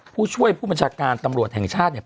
ผู้ช่วยผู้บัญชาการตำรวจแห่งชาติเนี่ย